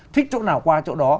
thích chỗ nào qua chỗ đó